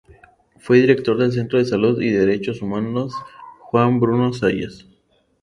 Fue director del Centro de Salud y Derechos Humanos Juan Bruno Zayas.